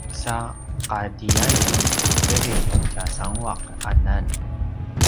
sa qatiyai tu kedri tjasanguaq anan